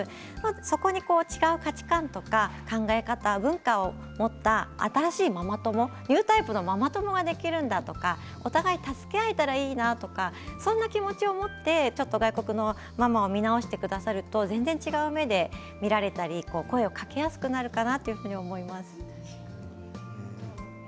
そこに違う価値観とか考え方とか持った新しいママ友ニュータイプのママ友ができるんだとかお互い助け合えたらいいなとかそんな気持ちを持って外国のママを見直してくださると全然違う目で見られたり声をかけやすくなるかなと思います。